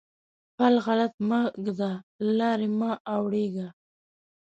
پل غلط مه ږده؛ له لارې مه اوړېږه.